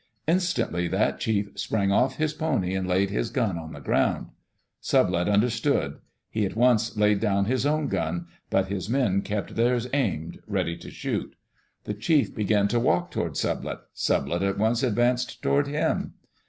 Instantly that chief sprang off his pony and laid his gun on the ground. Sublette understood. He at once laid down his own gun, but his men kept theirs aimed, ready to shoot. The chief began to walk toward Sublette. Sublette at once advanced toward him.